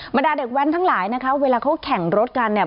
ดาเด็กแว้นทั้งหลายนะคะเวลาเขาแข่งรถกันเนี่ย